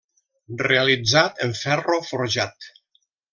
Realitzat en ferro forjat.